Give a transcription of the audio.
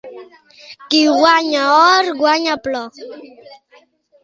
Qui guanya or, guanya plor.